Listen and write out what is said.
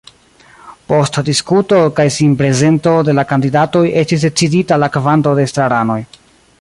Post diskuto kaj sinprezento de la kandidatoj estis decidita la kvanto de estraranoj.